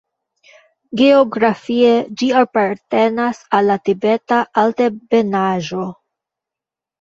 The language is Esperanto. Geografie ĝi apartenas al la Tibeta altebenaĵo.